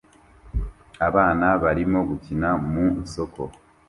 Abana barimo gukina mu isoko